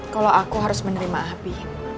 kalau aku harus menerima api